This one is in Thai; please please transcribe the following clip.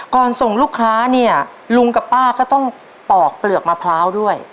ส่งลูกค้าเนี่ยลุงกับป้าก็ต้องปอกเปลือกมะพร้าวด้วย